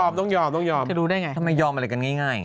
อะต้องยอมต้องยอมแต่รู้ได้ง่ายมั้ยยอมอะไรก็ง่าย